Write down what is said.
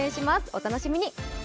お楽しみに。